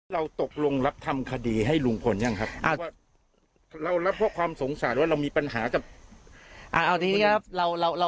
เราตกลงรับทำคดีให้ลุงพลหรือยังครับหรือว่าเรารับเพราะความสงสารว่าเรามีปัญหากับลุงพล